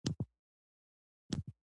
متن باید عام فهمه او پاک وي.